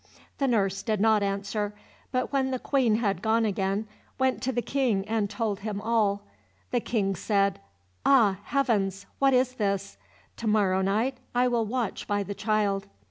The nurse did not answer, but when the Queen had gone again, went to the King and told him all. The King said, "Ah, heavens! what is this? To morrow night I will watch by the child."